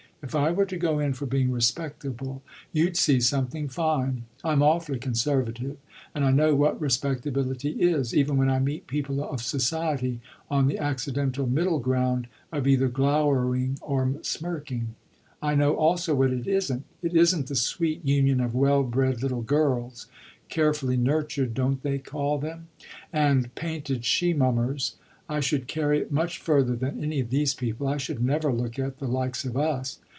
If I were to go in for being respectable you'd see something fine. I'm awfully conservative and I know what respectability is, even when I meet people of society on the accidental middle ground of either glowering or smirking. I know also what it isn't it isn't the sweet union of well bred little girls ('carefully nurtured,' don't they call them?) and painted she mummers. I should carry it much further than any of these people: I should never look at the likes of us!